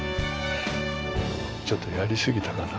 ちょっとやりすぎたかな。